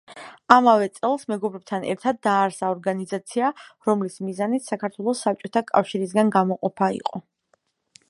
ამავე წელს მეგობრებთან ერთად დააარსა ორგანიზაცია, რომლის მიზანიც საქართველოს საბჭოთა კავშირისგან გამოყოფა იყო.